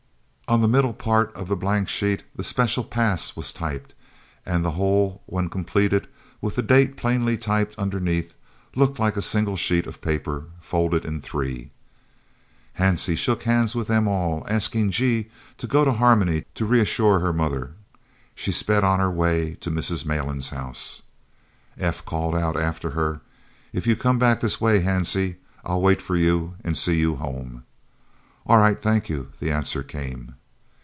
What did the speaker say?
On the middle part of the blank sheet the "Special Pass" was typed, and the whole when completed, with the date plainly typed underneath, looked like a single sheet of paper folded in three. Hansie shook hands with them all, and asking G. to go to Harmony to reassure her mother, she sped on her way to Mrs. Malan's house. F. called out after her, "If you come back this way, Hansie, I'll wait for you and see you home." "All right, thank you," the answer came.